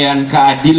dan orang yang di sini